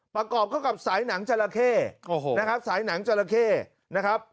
ประกอบเข้ากับสายหนังจราเข้นะครับสายหนังจราเข้นะครับ